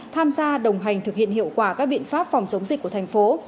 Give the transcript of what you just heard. tham gia đồng hành thực hiện hiệu quả các biện pháp phòng chống dịch của thành phố